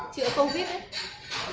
chữa covid ấy